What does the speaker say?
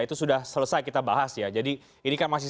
itu sudah selesai kita bahas ya jadi ini kan masih